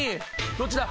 どっちだ？